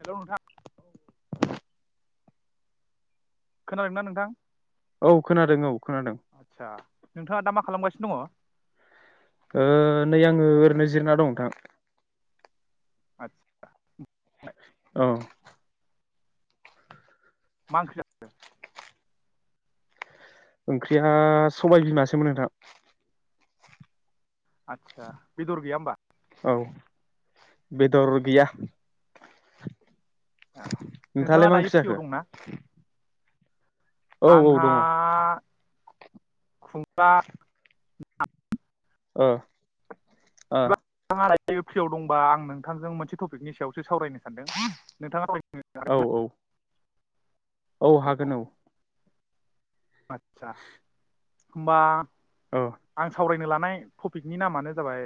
हेल' नोंथा खोनादों ना नोंथां? औ खोनादों औ खोनादों आदसा नोंथाङा दा मा खालामगासिनो दङ? ओ नै आङो ओरैनो जिरना दं नोंथां। आतसा‌ औ मा ओंख्रि जाखांखो? ओंख्रिया सबाय बिमासोमोन नोंथां। आदसा बेदर गैया होम्बा? औ बेदर गैया। ओ नोंथाङा नोंथाङालाय मा दायो ओंख्रि फ्रियाव जाखो दंना? औ औ आंहा दङ खुमब्रा [inaudible] अ अ [inaudible] फ्रियाव दंबा आं नोंथांजों मोनसे टपिकनि सायावसो सावरायनो सानदों, नोंथाङा औ औ औ हागोन औ आतसा होम्बा ओ आं सावरायनो ला नाय थपिकनि नामानो जाबाय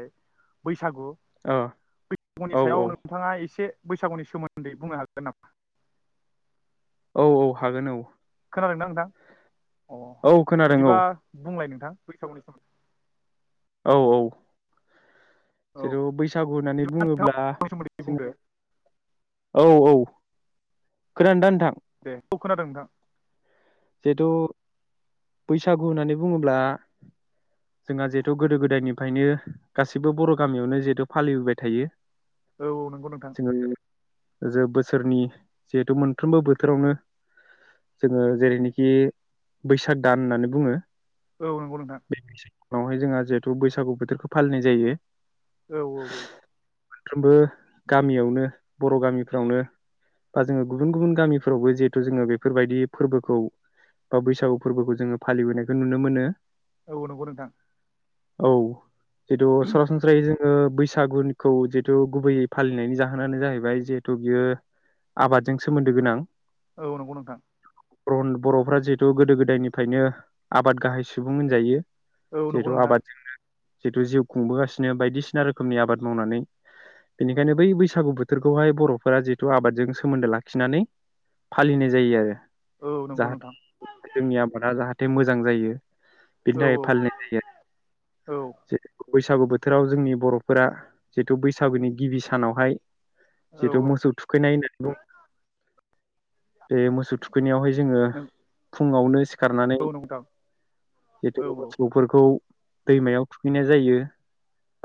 बै सागु, ओ बैसागुनि औ औ सायाव नोंथाङा एसे बैसागुनि सोमोन्दै बुंनो हागोन नामा? औ औ हागोन औ। खोनादों ना नोंथां? अ औ खोनादों बिदिबा बुंलाय नों थां बैसागुनि सोमोनदै औ औ औ जेहेथु बैसागु होननानै बिदिबा नोंथाङा बुङोब्ला नि सोमोन्दै जोङो, बुंदो औ औ खोनादोंदा नोंथां? दे औ खोनादों नोंथां जिहेथु बैसागु होननानै बुङोब्ला जोंहा जिहेथु गोदो गोदायनिफ्रायनो गासिबो बर' गामियावनो जिहेथु फालिबोबाय थायो औ औ नंगौ नोंथां जे बोसोरनि जिहेथु मोनफ्रोमबो बोथोरावनो जोङो जेरैनि खि बैसाग दान होननानै बुङो औ नंगौ नोंथां उनावहाय जोंहा जिहेथु बैसागु बोथोरखौ फालिनाय जायो औ औ औ मोनफ्रोमबो गामियावनो बर' गामिफ्रावनो बा जोङो गुबुन गुबुन गामिफ्रावबो जिहेथु जोङो बेफोरबायदि फोरबोखौ बा बैसागु फोरबोखौ जोङो फालिबोनायखौ नुनो मोनो औ नंगौ नोंथां औ जिहेथु सरासनस्रायै बैसागुखौ जिहेतु गुबैयै फालिनायनि जाहोनानो जाहैबाय जिहेथु बियो आबादजों सोमोन्दो गोनां औ नंगौ नोंथां र बर'फ्रा जिहेथु गोदो गोदायनिफ्रायनो आबाद गाहाय सुबुं होनजायो औ नंगौ नोंथां आबाद जिहेथु जिउ खुंबोगासिनो बायदिसिना रोखोमनि आबाद मावनानै बेनिखायनो बै बैसागु बोथोरखौहाय बर'फोरा जिथु आबादजों सोमोन्दो लाखिनानै फालिनाय जायो आरो औ नंगौ जाहाथे नोंथां जोंनि आबादा जाहाथे मोजां जायो बेनि औ थाखाय फालिनाय औ जायो बैसागु बोथोराव जोंनि बर'फोरा जिहेतु बैसागुनि गिबि सानावहाय औ जिथु मोसौ थुखैनाय होननानै बुङो बे मोसौ थुखैनायआवहाय जोङो फुङावनो सिखारनानै औ नंगौ नोंथां औ जिहेथु औ मोसौफोरखौ दैमायाव थुखैनाय जायो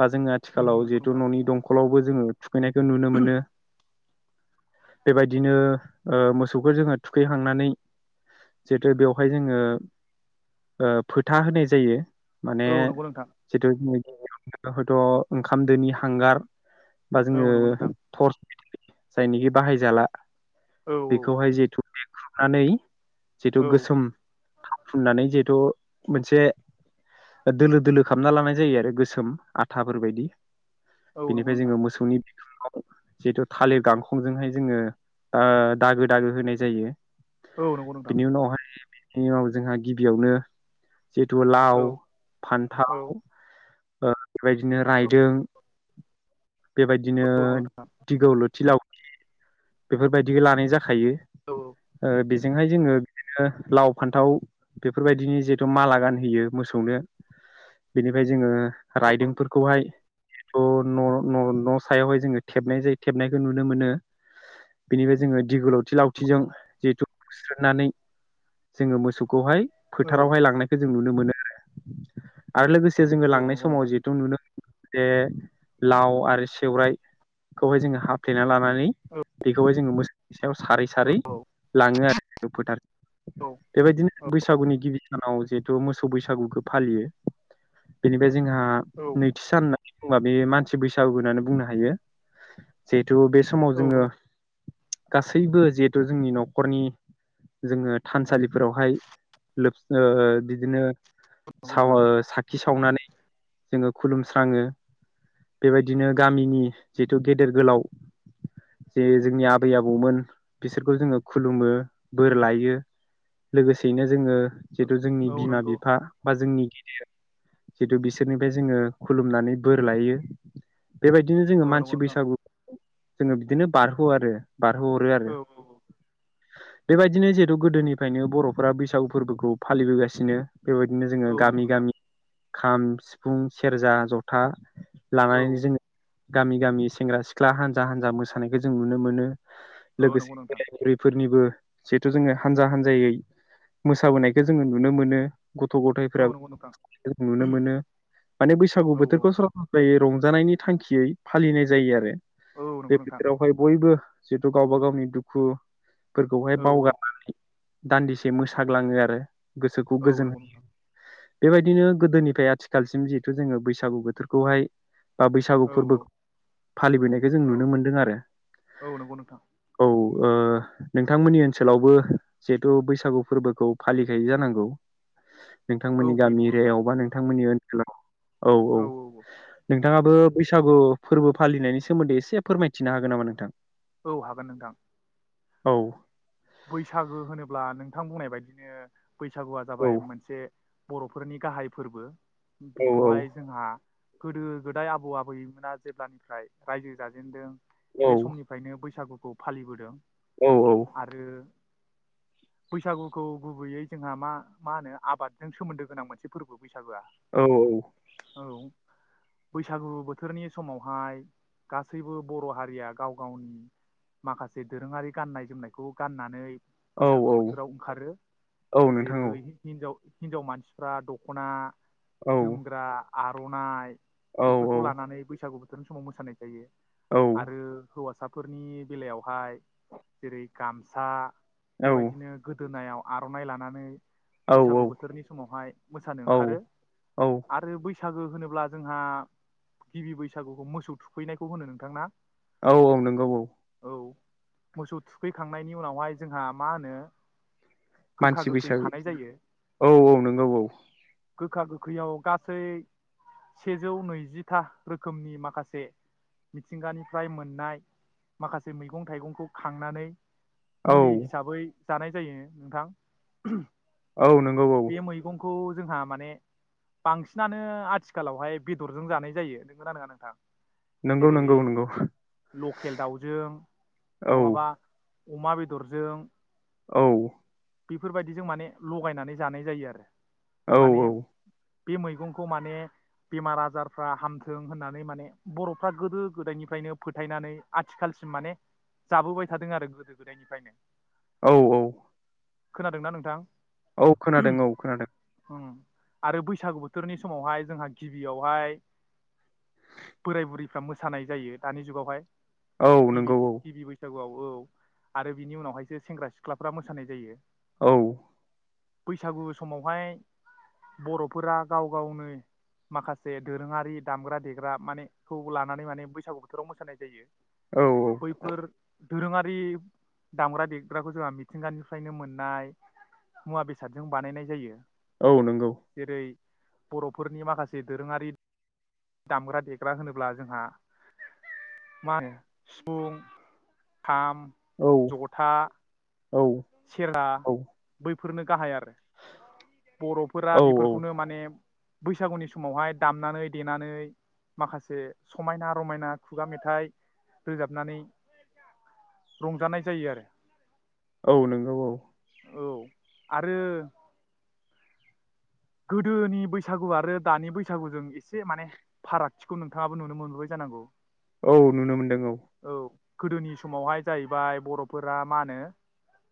बा जोङो उम आथिखालाव नंगौ जिहेतु नोंथां न'नि दंखलावबो जोङो थुखैनायखौ नुनो मोनो। बेबायदिनो ओ मोसौखो जोङो थुखैखांनानै जिहेतु बेवहाय जोङो ओ फोथा होनाय जायो। माने औ नंगौ नोंथां जिहेथु [unintelligible] हयथ' ओंखाम दोनि हांगार बा औ जोङो नंगौ नोंथां थर्स जायनिखि बाहायजाला। औ बेखौहाय जिहेथु नानैै जिहेथु औ गोसोम। फुननानै जिहेथु मोनसे दोलो दोलो खालामना लानाय जायो आरो गोसोम आथाफोरबायदि। औ नंगौ बिनिफ्राय नोंथां जोङो मोसौनि बिखुं। [unintelligible] जिहेतु थालिर गांखंजोंहाय जोङो दा दागो दागो होनाय जायो। औ नंगौ नोंथां। बिनि उनाव जोंहा गिबियावनो जिथु औ लाव, औ फान्थाव ओ बेबायदिनो रायदों बेबायदिनो औ नंगौ नोंथां दिगौ लुथि लाव बेफोरबायदिखो लानाय जाखायो। औ। ओ बेजोंहाय जोङो बिदिनो लाव फान्थाव बेफोरबायदिनि जिथु माला गानहोयो मोसौनो बेनिफ्राय जोङो राइदिंफोरखौहाय जिहेतु न' न' न' सायावहाय जोङो थेबनाय जायो थेबनायखौ नुनो मोनो बेनिफ्राय जोङो दिगलथि लावथिजों जिहेथु बुस्रांनानै जोङो मोसौखौहाय औ फोथारावहाय लांनायखो जों नुनो मोनो आरो। आरो लोगोसे जोङो औ लांनाय नंगौ समाव नोंथां जिहेथु नुनो बे लाव आरो सेवराइखौहाय जोङो हाफ्लेना लानानै बेखौहाय जोङो मोस सायाव सारै सारै औ थाङो आरो दुखुथार। बेबायदिनो बैसागुनि गिबि सानाव जिहेथु मोसौ बैसागुखो फालियो। बेनिफाय जोंहा नैथि सान बुंबा बे मानसि बैसागु होननानै बुंनो हायो जि हेथु बे औ समाव जोङो गासैबो जिहेतु जोंनि न' खरनि जोङो थानसालिफोरावहाय लोब ओ बिदिनो नंगौ साव नोंथां साखि सावनानै जोङो खुलुमस्राङो बेबायदिनो गामिनि जिथु गेदेर गोलाव जे जोंनि आबै आबौमोन बिसोरखौ जोङो खुलुमो बोर लायो लोगोसेयैनो जोङो जिहेतु औ जोंनि बिमा नंगौ बिफा बा जोंनि जितु बिसोरनिफ्राय जोङो खुलुमनानै बोर लायो। बेबायदिनो जोङो औ नंगौ मानसि नोंथां बैसागु जोङो बिदिनो बारहो आरो बारहो हरो औ आरो औ औ बेबायदिनो जिहेतु गोदोनिफ्रायनो बर'फ्रा बैसागु फोरबोखौ फालिबोगासिनो बेबायदिनो जोङो औ नंगौ गामि नोंथां गामि खाम, सिफुं, सेरजा, जथा औ लानानैनो जोङो गामि गामि सेंग्रा सिख्ला हान्जा हान्जा मोसानायखौ जों नुनो मोनो। औ लोगोसे नंगौ नोंथां बोराइ बुरै फोरनिबो जिथु जोङो हान्जा हान्जायै मोसाबोनायखो जोङो नुनो मोनो। गथ' औ नंगौ नोंथां गथायफोराबो जों नुनो मोनो माने बैसागु औ बोथोरखो सरासनस्रायै रंजानायनि थांखियै फालिनाय जायो आरो औ औ नंगौ बे नोंथां बोथोरावहाय बयबो जिहेथु गावबा गावनि दुखु फोरखौहाय औ बावगारनानै दान्दिसे मोसाग्लाङो आरो। गोसोखौ औ गोजोन नंगौ नोंथां बेबायदिनो गोदोनिफ्राय आथिखालसिम जिहेथु जोङो बैसागु बोथोरखौहाय बा बैसागु औ फोरबो औ फालिबोनायखौ जों नुनो मोनदों आरो औ नंगौ नोंथां औ। ओ नोंथांमोननि ओनसोलावबो जिहेथु बैसागु फोरबोखौ फालिखायो जानांगौ। नोंथांमोननि औ फैयो गामि नंगौ नोंथां एरियाआवबा नोंथांमोननि ओन हेल' औ औ नों नोंथाङाबो बैसागु फोरबो फालिनायनि सोमोन्दै एसे फोरमायथिनो हागोन नामा नोंथां? औ हागोन नोंथां। औ बैसागो होनोब्ला नोंथां बुंनाय बायदिनो बैसागुआ औ जाबाय मोनसे बर'फोरनि गाहाय फोरबो। औ बेखौहाय जोंहा गोदो गोदाय आबौ आबैमोना जेब्लानिफ्राय रायजो जाजेनदों औ बे समनिफ्रायनो बैसागु खौ फालिबोदों। औ औ आरो बैसागुखौ गुबैयै जोंहा मा मा होनो आबादजों सोमोन्दो गोनां मोनसे फोरबो बैसागुआ औ बैसागु बोथोरनि समावहाय गासैबो बर' हारिया गाव गावनि माखासे दोरोङारि गान्नाय -जोमनाय खौ गाननानै औ बैसागो बोथोराव ओंखारो औ नोंथां जेरै हिनजाव हिनजाव मानसिफ्रा दख'ना औ जोमग्रा आर'नाइ औ बेफोरखौ लानानै बैसागु बेफोर समाव मोसानाय जायो। औ आरो हौवासा फोरनि बेलायावहाय जेरै गामसा बेबायदिनो गोदोनायाव आर'नाइ लानानै औ बैसागु बोथोरनि समावहाय मोसानो ओंखारो औ आरो बै बैसागो होनोब्ला जोंहा गिबि बैसागुखौ मोसौ थुखैनायखौ होनो नोंथांना? औ औ नंगौ औ औ मोसौ थुखै खांनायनि उनावहाय जोंहा मा होनो गोखा मानसि गोखै बैसागु खानाय जायो औ औ नंगौ औ। गोखा गोखैयाव गासै सेजौ नैजिथा रोखोमनि माखासे मिथिंगानिफ्राय मोननाय माखासे मैगं थाइगंखौ खांनानै औ मुलि हिसाबै जानाय जायो नोंथां औ नंगौ औ खौ जोंहा माने बांसिनानो आथिखालावहाय बेदरजों जानाय जायो नोंगौ ना नङा नोंथां? नंगौ जेरै नंगौ नंगौ लकेल दाउजों औ नङाबा अमा बेदरजों औ बेफोरबायदिजों माने लगायनानै जानाय जायो आरो। औ माने बे मैगंखौ माने बेमार आजारफ्रा हामथों होननानै माने बर'फ्रा गोदो गोदायनिफ्रायनो फोथायनानै आथिखालसिम माने जाबोबाय थादों आरो गोदो गोदायनिफ्रायनो। औ औ खोनादोंना नोंथां औ खोनादों औ खोनादों उम आरो बैसागु बोथोरनि समावहाय जोंहा गिबियावहाय बोराय-बुरैफ्रा मोसानाय जायो दानि जुगावहाय औ गिबि नंगौ गिबि बैसागुआव औ आरो बिनि उनावहायसो सेंग्रा सिख्लाफ्रा मो सानाय जायो औ बैसागु समावहाय बर'फोरा गाव गावनो माखासे दोरोङारि दामग्रा देग्रा माने खौ लानानै माने बैसागु बोथोराव मोसानाय जायो। औ औ बैफोर दोरोङारि दामग्रा देग्राखौ जोंहा मिथिंगानिफ्रायनो मोननाय मुवा बेसादजों बानायनाय जायो। औ नंगौ जेरै बर'फोरनि माखासे दोरोङारि दामग्रा देग्रा होनोब्ला जोंहा मा होनो सिफुं, खाम, औ जथा, औ सेरजा बै फोरनो गाहाय आरो। बर'फोरा औ बेफोरखौनो माने बैसागुनि समावहाय दामनानै देनानै माखासे समायना-रमायना खुगा मेथाइ रोजाबनानै रंजानाय जायो आरो। औ नोंगौ औ औ आरो गोदोनि बैसागु आरो दानि बैसागुजों एसे माने फारागथिखौ नोंथाङाबो नुनो मोनबोबाय जानांगौ। औ नुनो मोनदों औ। गोदोनि समावहाय जाहैबाय बर'फोरा मा होनो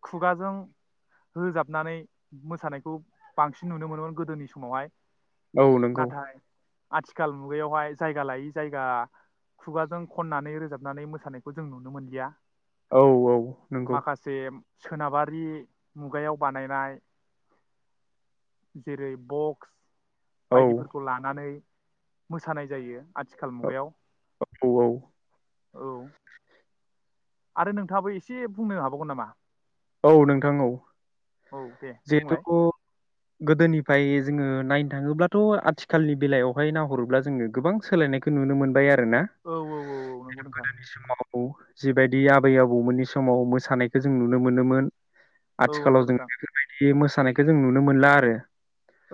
खुगाजों रोजाबनानै मोसानायखौ बांसिन नुनो मोनोमोन। गोदोनि समावहाय औ नंगौ। नाथाय आथिखाल मुगायावहाय जायगा लायै जायगा खुगाजों खननानै रोजाबनानै मोसानायखौ जों नुनो मोनलिया। औ औ नंगौ। माखासे सोनाबारि मुगायाव बानायनाय जेरै बक्स औ बायदिफोरखौ लानानै मोसानाय जायो आथिखाल मुगायाव। औ औ। औ आरो नोंथाङाबो एसे बुंनो हाबावगोन नामा? औ नोंथां औ औ दे जिहेथु बुंलाय गोदोनि फ्राय जोङो नायनो थाङोब्लाथ' आथिखालनि बेलायावहाय नाहरोब्ला जोङो गोबां सोलायनायखौ नुनो मोनबाय आरो ना औ औ औ नंगौ नोंथां गोदोनि समाव जिबायदि आबै-आबौमोननि समाव मोसानायखौ जों नु नो मोनोमोन औ नंगौ आथिखालाव जोङो नोंथां बेफोरबायदि मोसा नायखौ जों नुनो मोनला आरो।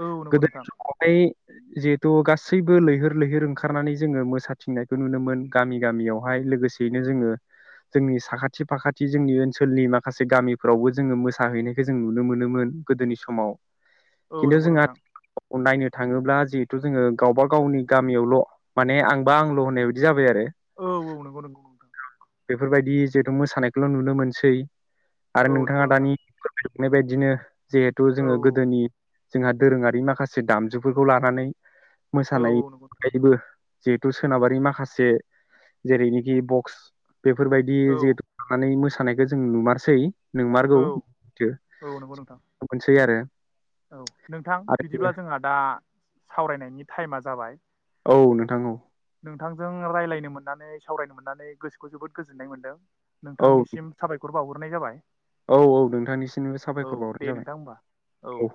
औ नंगौ गोदोनि नोंथां समावहाय जिहेथु गासैबो लैहोर लैहोर ओंखारनानै जोङो मोसाथिंनायखौ नुनो मोन गामि गामियावहाय लोगोसेयैनो जोङो जोंनि साखाथि फाखाथि जोंनि ओनसोलनि मा माखासे गामिफोरावबो जोङो मोसाहैनायखो जों नुनो मोनोमोन गोदोनि समाव। औ नंगौ नोंथां अ नायनो थाङोब्ला जिहेथु जोङो गावबा गावनि गामियावल माने आंबा आंल होननाय बायदि जाबाय आरो औ औ नंगौ नंगौ बेफोरबायदि जिहेथु मोसानायखौल' नुनो मोनसै आरो औ नंगौ नोंथाङा नोंथां दानि नाय बायदिनो जिहेथु औ जोङो गोदोनि जोंहा दोरोङारि माखासे दामजुफोरखौ लानानै औ मोसानाय औ नंगौ नोंथां बायदिबो जिहेथु सोनाबारि माखासे जेरैनिखि बक्स बेफोरबायदि औ जिहेथु लानानै मोसा थानायखो जों नुुमारसै नंमारगौ औ औ नंगौ नोंथां मोनसै आरो औ नोंथां आरो बिदिब्ला जोंहा दा सावरायनायनि टाइमा जाबाय। औ नोंथां औ जों रायलायनो मोननानै सावरायनो मोननानै गोसोखौ जोबोद गोजोननाय मोन्दों। औ नोंथांनिसिम साबायखर बावहरो हरनाय जाबाय औ औ नोंथांनिसिनबो औ साबायखर दे बावहरनाय नोंथां होमबा जाबाय औ